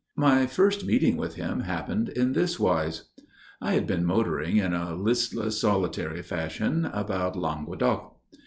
My first meeting with him happened in this wise. I had been motoring in a listless, solitary fashion about Languedoc.